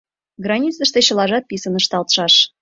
Границыште чылажат писын ышталтшаш.